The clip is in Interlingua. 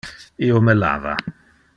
Io me lava.